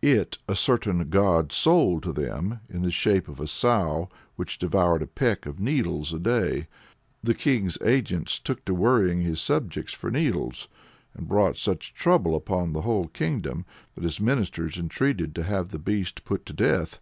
It a certain god sold to them, in the shape of a sow which devoured a peck of needles a day. The king's agents took to worrying his subjects for needles, and brought such trouble upon the whole kingdom, that his ministers entreated him to have the beast put to death.